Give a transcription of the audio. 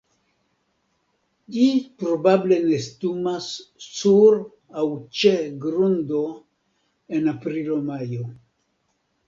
Ĝi probable nestumas sur aŭ ĉe grundo en aprilo-majo.